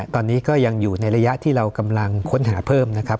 ตอนนี้ก็ยังอยู่ในระยะที่เรากำลังค้นหาเพิ่มนะครับ